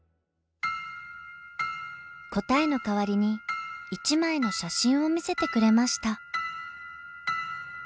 答えの代わりに一枚の写真を見せてくれました。